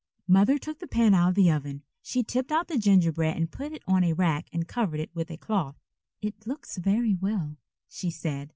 Mother took the pan out of the oven. She tipped out the gingerbread and put it on a rack and covered it with a cloth. "It looks very well," she said.